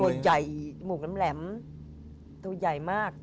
ตัวใหญ่หมวกแหลมตัวใหญ่มาก